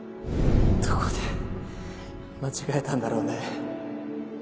どこで間違えたんだろうね？